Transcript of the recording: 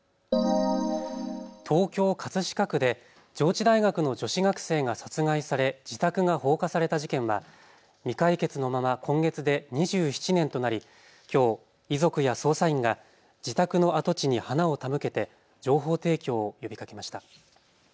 東京葛飾区で上智大学の女子学生が殺害され自宅が放火された事件は未解決のまま今月で２７年となりきょう遺族や捜査員が自宅の跡地に花を手向けて情報提供を呼びかけました。